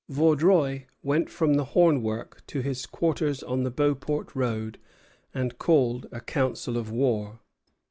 Vaudreuil went from the hornwork to his quarters on the Beauport road and called a council of war.